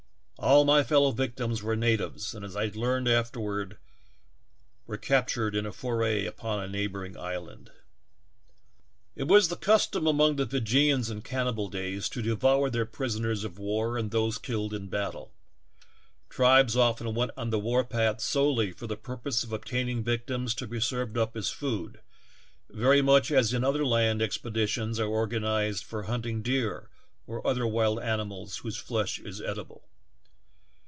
All my fellow victims were natives, and, as I afterward learned, were captured in a foray upon a neigh boring island. ''It was the custom among the Feejeeans in can nibal days to devour their prisoners of war and those killed in battle. Tribes often went on the war path solely for the purpose of obtaining vie tims to be served up as food, very much as in other lands expeditions are organized for hunting deer or other wild animals whose flesh is edible.